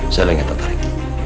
saya lagi tertarik